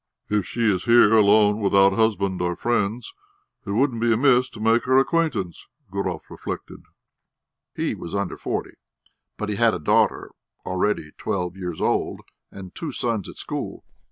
"If she is here alone without a husband or friends, it wouldn't be amiss to make her acquaintance," Gurov reflected. He was under forty, but he had a daughter already twelve years old, and two sons at school.